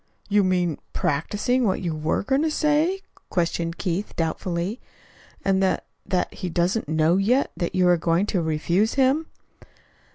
"You mean practicing what you were going to say?" questioned Keith doubtfully. "And that that he doesn't know yet that you are going to refuse him?"